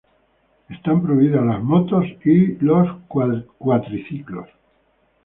Están prohibidas las Motos y los Cuatriciclos.